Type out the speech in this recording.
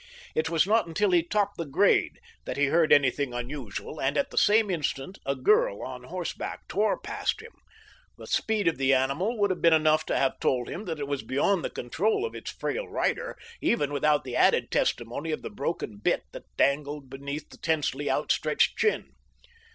It was not until he topped the grade that he heard anything unusual, and at the same instant a girl on horseback tore past him. The speed of the animal would have been enough to have told him that it was beyond the control of its frail rider, even without the added testimony of the broken bit that dangled beneath the tensely outstretched chin.